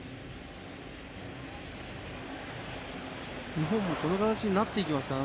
日本もこの形になっていきますから。